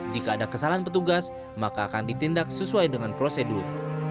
jika ada kesalahan petugas maka akan ditindak sesuai dengan prosedur